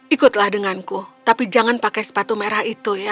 ikutlah denganku tapi jangan pakai sepatu merah itu ya